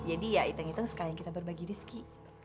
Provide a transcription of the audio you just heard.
jadi ya hitung hitung sekalian kita berbagi rezeki